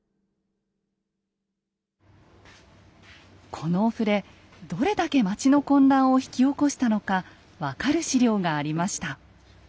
このお触れどれだけ町の混乱を引き起こしたのか分かる史料がありました。